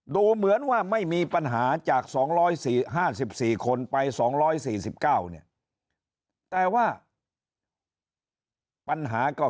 ดูเหมือนว่าไม่มีปัญหาจาก๒๕๔คนไป๒๔๙เนี่ยแต่ว่าปัญหาก็